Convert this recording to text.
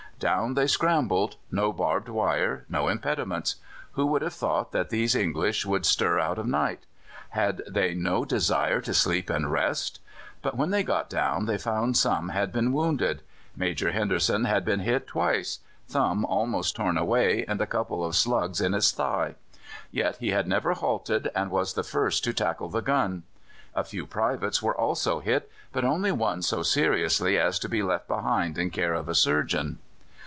Down they scrambled; no barbed wire, no impediments. Who would have thought that these English would stir out o' night? Had they no desire to sleep and rest? But when they got down they found some had been wounded. Major Henderson had been twice hit thumb almost torn away, and a couple of slugs in his thigh. Yet he had never halted, and was the first to tackle the gun. A few privates were also hit, but only one so seriously as to be left behind in care of a surgeon.